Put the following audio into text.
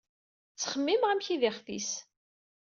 Ttxemmimeɣ amek i d ixef-is.